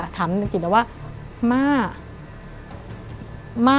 ถาม